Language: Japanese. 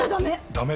ダメ？